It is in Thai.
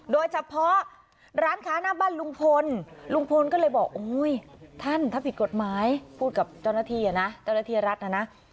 โดยเฉพาะร้านค้าหน้าบ้านลุงพลลุงพลก็เลยบอกโอ้ยท่านถ้าผิดกฎหมายพูดกับเจ้าหน้าที่อ่ะนะเจ้าหน้าที่รัฐนะนะ